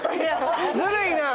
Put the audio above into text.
ずるいなぁ！